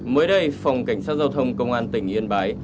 mới đây phòng cảnh sát giao thông công an tỉnh yên bái